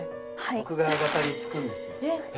徳川方につくんですよ